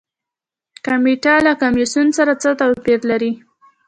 کمیټه له کمیسیون سره څه توپیر لري؟